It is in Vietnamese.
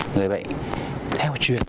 người bệnh theo truyền hình